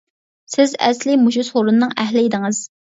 سىز ئەسلى مۇشۇ سورۇننىڭ ئەھلى ئىدىڭىز.